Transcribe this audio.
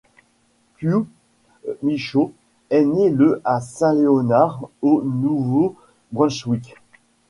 Pius Michaud est né le à Saint-Léonard, au Nouveau-Brunswick.